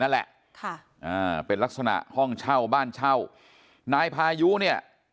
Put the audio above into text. นั่นแหละค่ะอ่าเป็นลักษณะห้องเช่าบ้านเช่านายพายุเนี่ย